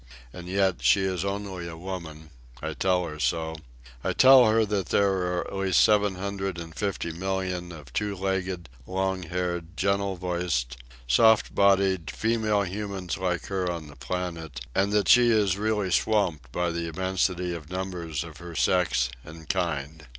And yet she is only a woman—I tell her so; I tell her that there are at least seven hundred and fifty millions of two legged, long haired, gentle voiced, soft bodied, female humans like her on the planet, and that she is really swamped by the immensity of numbers of her sex and kind.